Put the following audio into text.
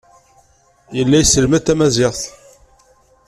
Yella yesselmad tamaziɣt.